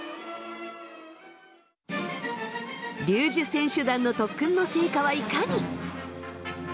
リュージュ選手団の特訓の成果はいかに！？